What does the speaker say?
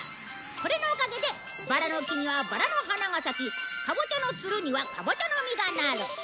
これのおかげでバラの木にはバラの花が咲きカボチャのつるにはカボチャの実がなる。